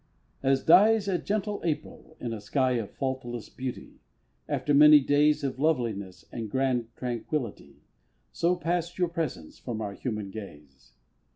As dies a gentle April in a sky Of faultless beauty after many days Of loveliness and grand tranquillity So passed your presence from our human gaze.